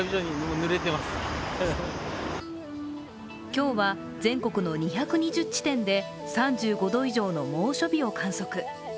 今日は全国の２２０地点で３５度以上の、猛暑日を観測。